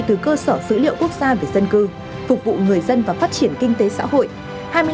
từ cơ sở dữ liệu quốc gia về dân cư phục vụ người dân và phát triển kinh tế xã hội